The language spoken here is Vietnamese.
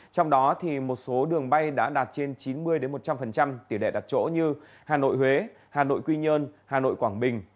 trong đó một số đường bay đã đạt trên chín mươi một trăm linh tỷ đệ đặt chỗ như hà nội huế hà nội quy nhơn hà nội quảng bình